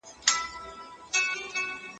باغچه به په اینده کې هم د فقیرانو لپاره پاتې وي.